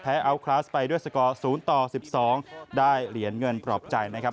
เอาคลาสไปด้วยสกอร์๐ต่อ๑๒ได้เหรียญเงินปลอบใจนะครับ